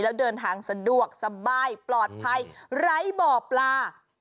แล้วเดินทางสะดวกสบายปลอดภัยไร้บ่อปลา